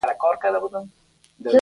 کچالو د بدن د انرژي کچه لوړوي.